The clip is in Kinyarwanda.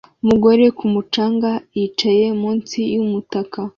Umugore ku mucanga yicaye munsi yumutaka